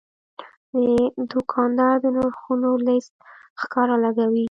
دوکاندار د نرخونو لیست ښکاره لګوي.